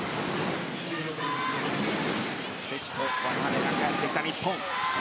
関と渡邊が帰ってきた日本。